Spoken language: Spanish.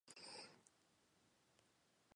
Esta "begonia" es originaria de Tailandia.